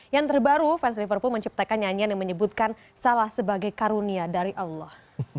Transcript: yang terbaru fans liverpool menciptakan nyanyian yang menyebutkan salah sebagai karunia dari allah